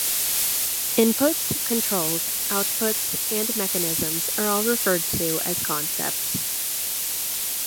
Inputs, Controls, Outputs, and Mechanisms are all referred to as concepts.